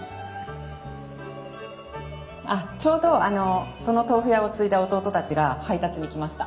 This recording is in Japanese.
あっちょうどあのその豆腐屋を継いだ弟たちが配達に来ました。